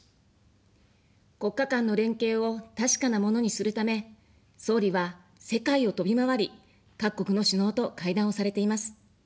国家間の連携を確かなものにするため、総理は世界を飛び回り、各国の首脳と会談をされています。